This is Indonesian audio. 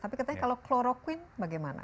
tapi katanya kalau kloroquine bagaimana